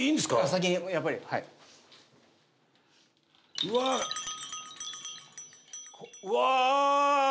先にやっぱりはいうわっ！うわ！